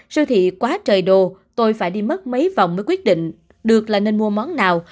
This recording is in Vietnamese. siêu thị quá trời đồ tôi phải đi mất mấy vòng mới quyết định được là nên mua món nào